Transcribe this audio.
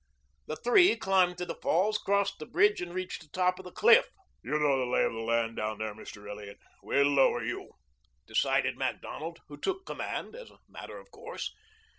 The three climbed to the falls, crossed the bridge, and reached the top of the cliff. "You know the lay of the land down there, Mr. Elliot. We'll lower you," decided Macdonald, who took command as a matter of course.